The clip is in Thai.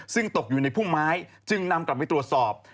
ซึ่งตกอยู่ในพุ่มไม้จึงนำกลับไปตรวจสอบ